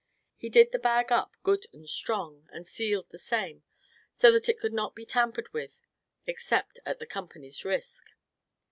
He did the bag up good and strong, and sealed the same, so that it could not be tampered with except at the company's risk.